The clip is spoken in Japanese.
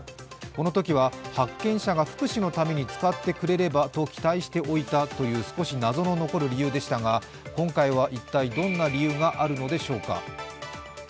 このときは発見者が福祉のために使ってくれればと期待して置いたという少し謎の残る理由でしたが、今回は一体どんな理由があるのでしょうか。